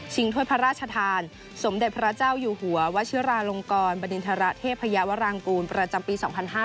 ถ้วยพระราชทานสมเด็จพระเจ้าอยู่หัววชิราลงกรบดินทรเทพยาวรางกูลประจำปี๒๕๕๙